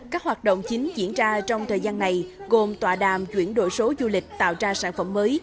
các hoạt động chính diễn ra trong thời gian này gồm tọa đàm chuyển đổi số du lịch tạo ra sản phẩm mới